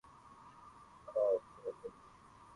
Kioo kimevunjika.